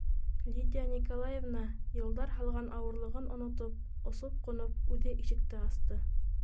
Лидия Николаевна, йылдар һалған ауырлығын онотоп, осоп-ҡунып үҙе ишекте асты.